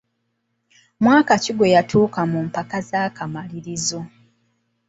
Mwaka ki gwe yatuuka ku mpaka ez’akamalirizo?